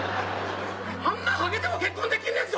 あんなハゲでも結婚できんねんぞ。